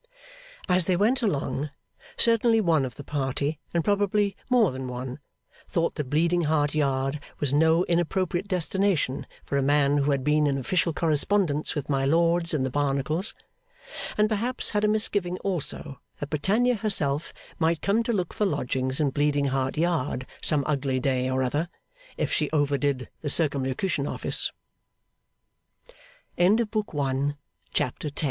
As they went along, certainly one of the party, and probably more than one, thought that Bleeding Heart Yard was no inappropriate destination for a man who had been in official correspondence with my lords and the Barnacles and perhaps had a misgiving also that Britannia herself might come to look for lodgings in Bleeding Heart Yard some ugly day or other, if she over did the Circumlocuti